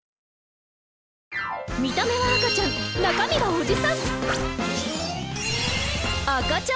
見た目は赤ちゃん中身はおじさん！